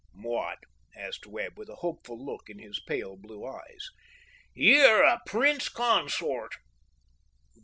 "What?" asked Webb, with a hopeful look in his pale blue eyes. "You're a prince consort."